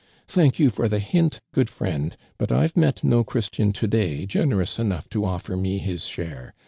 "Thank you for the hint, good friend, but I've met no Christian today generous enough to olfer me his share.